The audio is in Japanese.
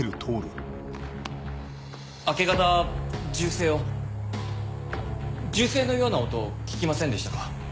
明け方銃声を銃声のような音を聞きませんでしたか？